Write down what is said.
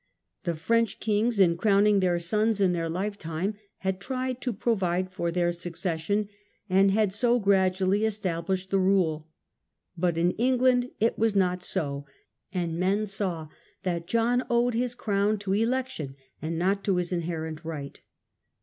The French kings, in crowning their sons in their lifetime, had tried to pro vide for their succession, and had so gradually established the rule. But in England it was not so, and men saw that John owed his crown to election and not to his in herent right.